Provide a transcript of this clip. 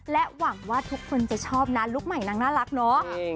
หวังว่าทุกคนจะชอบนะลุคใหม่นางน่ารักเนาะ